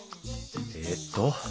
えっと